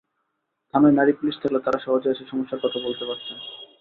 থানায় নারী পুলিশ থাকলে তাঁরা সহজে এসে সমস্যার কথা বলতে পারবেন।